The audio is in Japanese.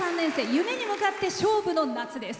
夢に向かって勝負の夏です。